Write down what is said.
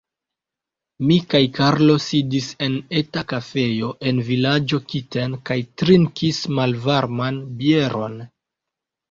Mi kaj Karlo sidis en eta kafejo en vilaĝo Kiten kaj trinkis malvarman bieron.